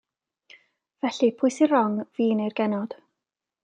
Felly, pwy sy'n rong, fi neu'r genod.